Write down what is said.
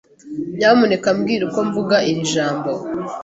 Nyamuneka mbwira uko mvuga iri jambo.